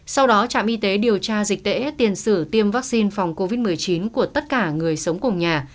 sau đó trạm y tế điều tra dịch tễ tiền sử tiêm vaccine phòng covid một mươi chín của tất cả người sống cùng nhà